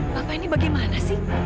bapak ini bagaimana sih